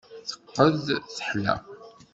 Teqqed, teḥla.